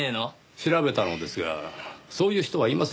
調べたのですがそういう人はいませんでした。